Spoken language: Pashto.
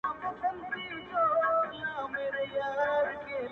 نجلۍ کمزورې کيږي او ساه يې درنه کيږي په سختۍ